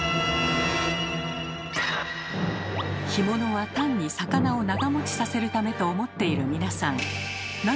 干物は単に魚を長もちさせるためと思っている皆さん。